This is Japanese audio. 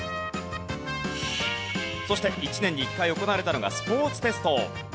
そして１年に１回行われたのがスポーツテスト。